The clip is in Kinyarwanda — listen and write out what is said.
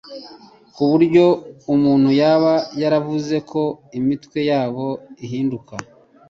ku buryo umuntu yaba yaravuze ko imitwe yabo ihinduka